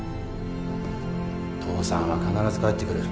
父さんは必ず帰ってくる。